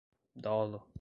dolo